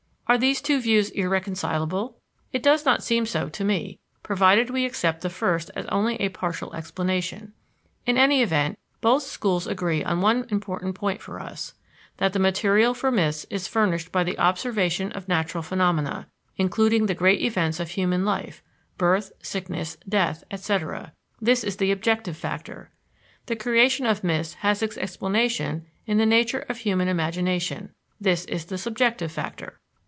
Are these two views irreconcilable? It does not seem so to me, provided we accept the first as only a partial explanation. In any event, both schools agree on one point important for us that the material for myths is furnished by the observation of natural phenomena, including the great events of human life: birth, sickness, death, etc. This is the objective factor. The creation of myths has its explanation in the nature of human imagination this is the subjective factor.